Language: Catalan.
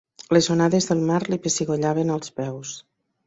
Les onades del mar li pessigollejaven els peus.